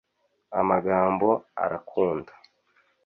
Amagambo arakunda